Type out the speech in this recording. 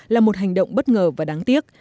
là một hành động bất ngờ và đáng tiếc